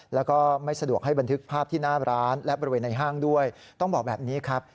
แล้วก็ไม่สะดวกให้บันทึกภาพที่หน้าร้านและบริเวณในห้างด้วยต้องบอกแบบนี้ครับ